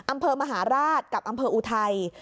อำเภอมหาราชกับอำเภออุทัย